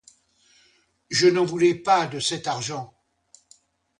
Je n'en voulais pas, de cet argent.